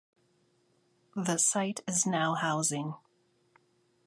The site is now housing.